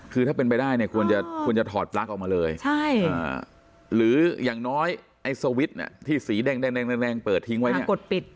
คือถ้าเป็นไปได้เนี่ยควรจะควรจะถอดปลั๊กออกมาเลยหรืออย่างน้อยไอ้สวิตช์ที่สีแดงเปิดทิ้งไว้เนี่ย